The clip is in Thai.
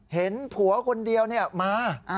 เห็นผัวคนเดียวมา